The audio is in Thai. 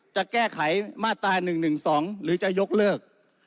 จะแก้ไขมาตรา๑๑๒หรือจะยกเลิก